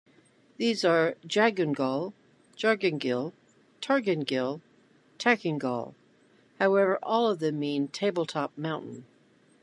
These are "Jagungal, Jar-gan-gil, Tar-gan-gil, Tackingal"; however, all of them mean "Table Top Mountain.